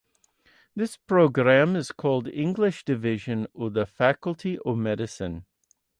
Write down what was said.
This programme is called English Division of the Faculty of Medicine.